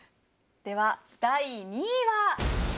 では第２位は。